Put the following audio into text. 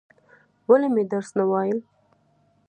ولې مې درس نه وایل؟